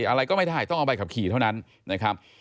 อะไรก็ไม่ได้ต้องเอาใบขับขี่เท่านั้นนะครับ